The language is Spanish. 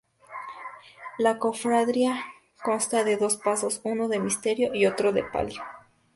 La Cofradía consta de dos pasos, uno de misterio y otro de palio.